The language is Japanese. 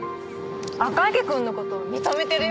赤池くんの事認めてるよ